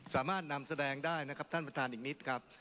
สามารถนำแสดงได้นะครับท่านประธานอีกนิดครับ